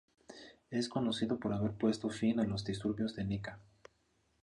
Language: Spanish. Es conocido por haber puesto fin a los disturbios de Nika.